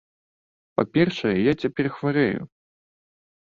Па-першае, я цяпер хварэю.